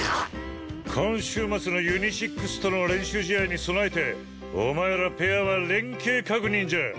今週末のユニシックスとの練習試合に備えてお前らペアは連携確認じゃ！